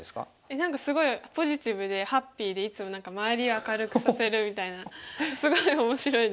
何かすごいポジティブでハッピーでいつも周りを明るくさせるみたいなすごい面白いですしゃべってて。